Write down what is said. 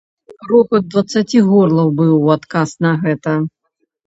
Рогат дваццаці горлаў быў у адказ на гэта.